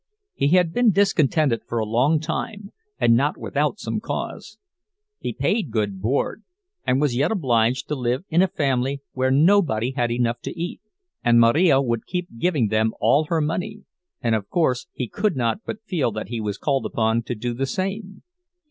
He had been discontented for a long time, and not without some cause. He paid good board, and was yet obliged to live in a family where nobody had enough to eat. And Marija would keep giving them all her money, and of course he could not but feel that he was called upon to do the same.